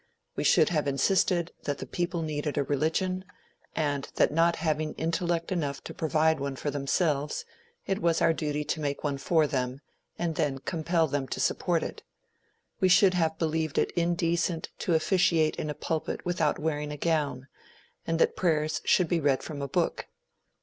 We should have insisted that the people needed a religion, and that not having intellect enough to provide one for themselves, it was our duty to make one for them, and then compel them to support it. We should have believed it indecent to officiate in a pulpit without wearing a gown, and that prayers should be read from a book.